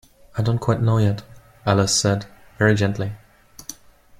‘I don’t quite know yet,’ Alice said, very gently.